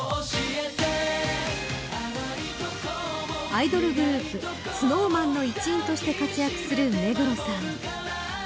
アイドルグループＳｎｏｗＭａｎの一員としても活躍する目黒さん。